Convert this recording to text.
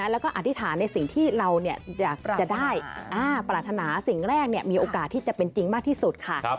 แล้วก็อธิษฐานในสิ่งที่เราจะได้ปรารถนาสิ่งแรกมีโอกาสที่จะเป็นจริงมากที่สุดค่ะ